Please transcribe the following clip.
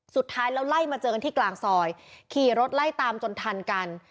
สุดท้ายแล้วไล่มาเจอกันที่กลางซอยขี่รถไล่ตามจนทันกัน